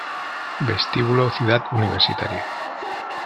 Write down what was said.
Vestíbulo Ciudad Universitaria